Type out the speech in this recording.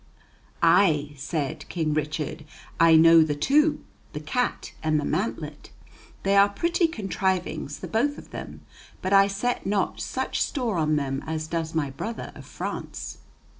"Aye!" said King Richard, "I know the two; the cat and the mantlet. They are pretty contrivings the both of them, but I set not such store on them as does my brother of France."